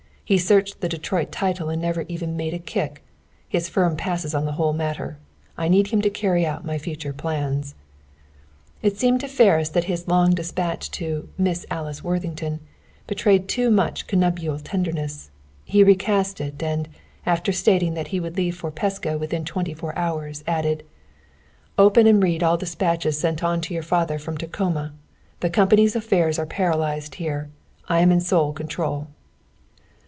He searched the Detroit title and never even made a kick. His firm passed on the whole matter. I need him to carry out my future plans." It seemed to Ferris that his long dispatch to "Miss Alice Worthington" betrayed too much connubial tenderness. He recast it, and, after stating that he would leave for Pasco within twenty four hours, added: "Open and read all dispatches sent on to your father from Tacoma. The company's affairs are paralyzed here. I am in sole control.